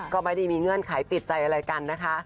ก็ไม่ได้มีเงื่อนไขติดใจอะไรกันนะคะ